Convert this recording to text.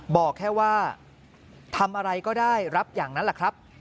บอกแค่ว่าทำอะไรก็ได้รับอย่างนั้นแหละครับ